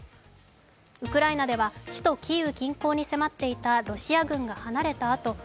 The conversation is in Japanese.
ウクライナでは首都キーウ近郊に迫っていたロシア軍が離れたあと